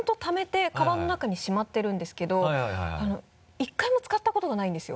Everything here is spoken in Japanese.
１回も使ったことがないんですよ